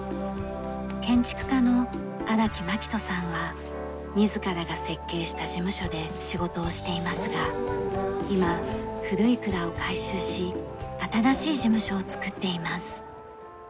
建築家の荒木牧人さんは自らが設計した事務所で仕事をしていますが今古い蔵を改修し新しい事務所を作っています。